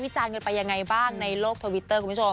จานกันไปยังไงบ้างในโลกทวิตเตอร์คุณผู้ชม